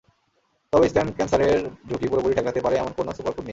তবে স্তন ক্যানসারের ঝুঁকি পুরোপুরি ঠেকাতে পারে এমন কোনো সুপারফুড নেই।